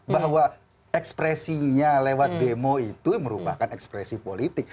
bahwa ekspresinya lewat demo itu merupakan ekspresi politik